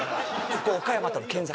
「ここ岡山との県境！」。